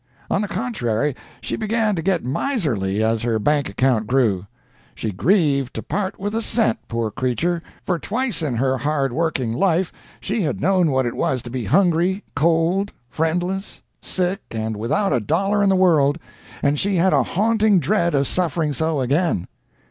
On the contrary, she began to get miserly as her bank account grew. She grieved to part with a cent, poor creature, for twice in her hard working life she had known what it was to be hungry, cold, friendless, sick, and without a dollar in the world, and she had a haunting dread of suffering so again.